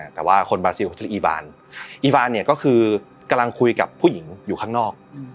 แต่ว่าคนบาซิลเขาจะอีบานอีบานเนี่ยก็คือกำลังคุยกับผู้หญิงอยู่ข้างนอก